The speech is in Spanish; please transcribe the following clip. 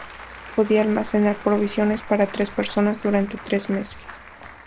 Podía almacenar provisiones para tres personas durante tres meses.